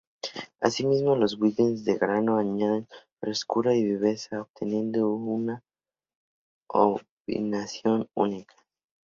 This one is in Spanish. Asimismo, los whiskies de grano añaden frescura y viveza obteniendo una combinación única.